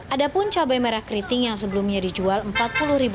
ada pun cabai merah keriting yang sebelumnya dijual rp empat puluh